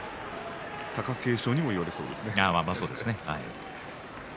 貴景勝にも言われそうですね。